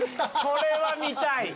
これは見たい！